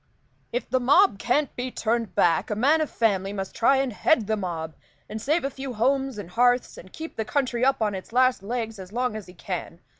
"If the mob can't be turned back, a man of family must try and head the mob, and save a few homes and hearths, and keep the country up on its last legs as long as he can.